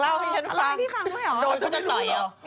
นางเล่าให้พี่ฟังด้วยเหรอโดนเขาจะต่อยเหรอ